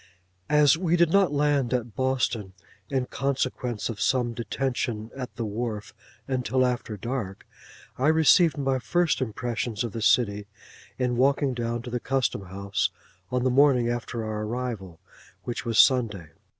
As we did not land at Boston, in consequence of some detention at the wharf, until after dark, I received my first impressions of the city in walking down to the Custom house on the morning after our arrival, which was Sunday.